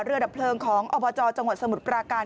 ดับเพลิงของอบจจังหวัดสมุทรปราการ